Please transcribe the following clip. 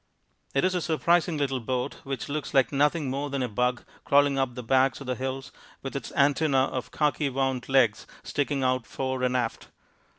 It is a surprising little boat which looks like nothing more than a bug crawling up the backs of the hills with its antenna of khaki wound legs sticking out fore and aft.